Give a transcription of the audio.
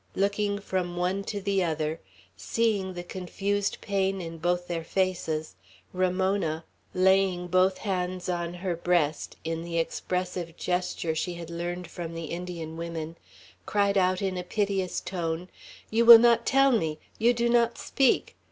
Looking from one to the other, seeing the confused pain in both their faces, Ramona, laying both her hands on her breast, in the expressive gesture she had learned from the Indian women, cried out in a piteous tone: "You will not tell me! You do not speak!